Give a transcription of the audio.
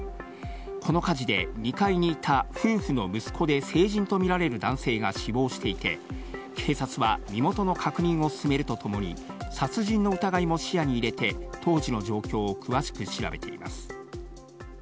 この火事で、２階にいた夫婦の息子で、成人と見られる男性が死亡していて、警察は身元の確認を進めるとともに、殺人の疑いも視野に入れて、当時の状況を詳しく調べています。